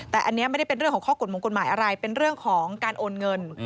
แต่อันนี้ไม่ได้เป็นเรื่องของข้อกฎหมายอะไรเป็นเรื่องของการโอนเงิน